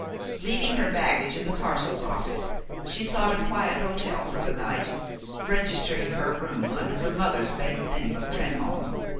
Leaving her baggage in the parcels office, she sought a quiet hotel for the night, registering her room under her mother's maiden name of Trenholme.